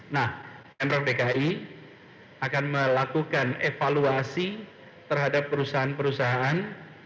nah pemprov dki akan melakukan evaluasi terhadap perusahaan perusahaan